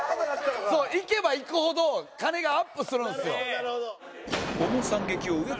行けば行くほど金がアップするんですよ。